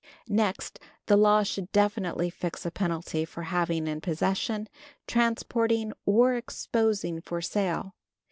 Next, the law should definitely fix a penalty for having in possession, transporting or exposing for sale.